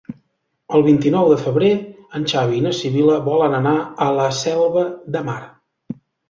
El vint-i-nou de febrer en Xavi i na Sibil·la volen anar a la Selva de Mar.